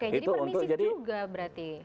jadi permisi juga berarti